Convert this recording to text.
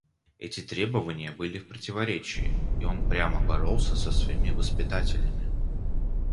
Эти требования были в противоречии, и он прямо боролся с своими воспитателями.